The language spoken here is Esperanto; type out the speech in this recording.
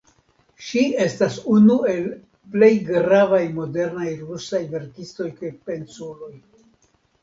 Ŝi estas unu el la plej gravaj modernaj rusaj verkistoj kaj pensuloj.